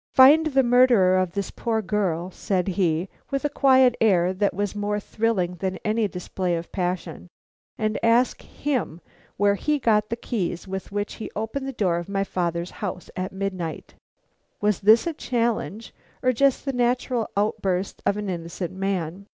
"Find the murderer of this poor girl," said he, with a quiet air that was more thrilling than any display of passion, "and ask him where he got the keys with which he opened the door of my father's house at midnight." Was this a challenge, or just the natural outburst of an innocent man.